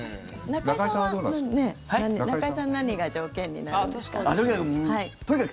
中居さん何が条件になるんですか？